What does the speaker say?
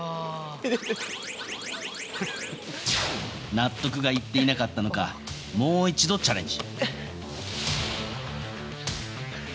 納得がいっていなかったのかもう一度、チャレンジ。